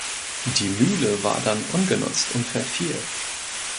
Die Mühle war dann ungenutzt und verfiel.